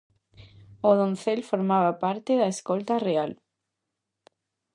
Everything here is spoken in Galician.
O doncel formaba parte da escolta real.